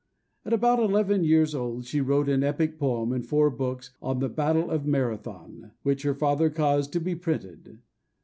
At about eleven years old she wrote an epic poem in four books on The Battle of Marathon, which her father caused to be printed.